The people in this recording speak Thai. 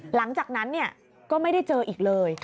หลังจากนั้นก็ไม่ได้เจออีกเลย